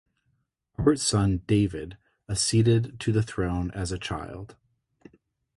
Robert's son, David, acceded to the throne as a child.